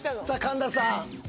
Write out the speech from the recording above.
さあ神田さん